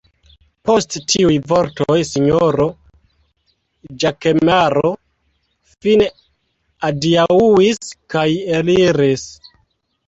Post tiuj vortoj sinjoro Ĵakemaro fine adiaŭis kaj eliris.